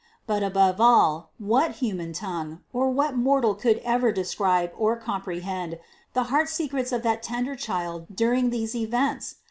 But above all, what human tongue, or what mortal could ever describe or comprehend the heart secrets of that tender Child during these events?